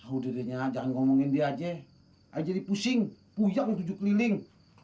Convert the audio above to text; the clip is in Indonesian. aduh dede nyak jangan ngomongin dia aja ayo jadi pusing puyak lo tujuh keliling